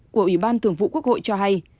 của ủy ban thường vụ quốc hội cho hay